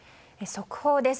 速報です。